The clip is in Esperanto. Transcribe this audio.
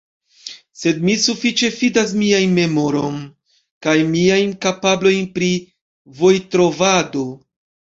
Sed mi sufiĉe fidas mian memoron kaj miajn kapablojn pri vojtrovado.